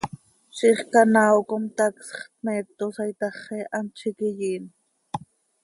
Ziix canaao com tacsx, tmeetosa itaxi, hant z iiqui yiin.